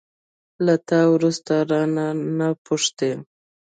له تا وروسته، رانه، نه پوښتي